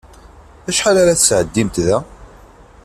Acḥal ara tesεeddimt da?